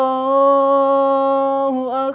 aku akan melupakanmu selamanya